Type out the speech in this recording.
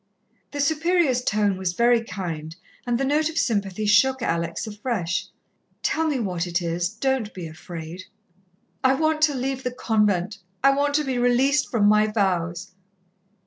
The Superior's tone was very kind, and the note of sympathy shook Alex afresh. "Tell me what it is. Don't be afraid." "I want to leave the convent I want to be released from my vows."